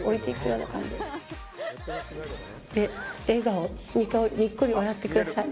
笑顔で、にっこり笑ってください。